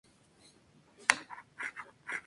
Numerosos biólogos marinos han hecho chistes marinos.